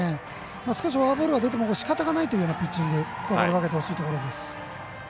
少しフォアボールが出てもしかたがないピッチングを投げてほしいところです。